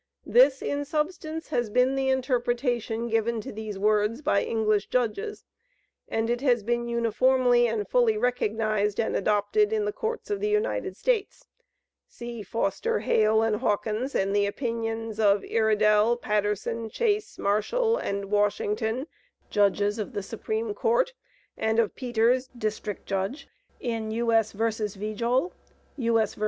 This, in substance, has been the interpretation given to these words by the English Judges, and it has been uniformly and fully recognized and adopted in the Courts of the United States. (See Foster, Hale, and Hawkins, and the opinions of Iredell, Patterson, Chase, Marshall, and Washington, J.J., of the Supreme Court, and of Peters, D.J., in U.S. vs. Vijol, U.S. vs.